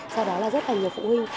sau đó là rất là nhiều phụ huynh